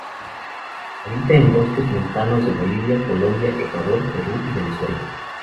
Habita en bosques montanos de Bolivia, Colombia, Ecuador, Perú y Venezuela.